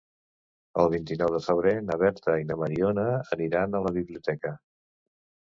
El vint-i-nou de febrer na Berta i na Mariona aniran a la biblioteca.